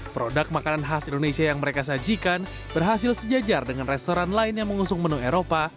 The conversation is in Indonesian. produk makanan khas indonesia yang mereka sajikan berhasil sejajar dengan restoran lain yang mengusung menu eropa